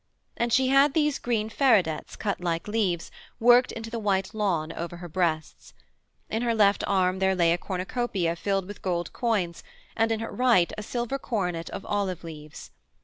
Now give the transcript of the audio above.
And she had these green feridets, cut like leaves, worked into the white lawn, over her breasts. In her left arm there lay a cornucopia filled with gold coins, and in her right a silver coronet of olive leaves.